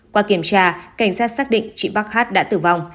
qua kiểm tra cảnh sát xác định chị bắc hát đã tử vong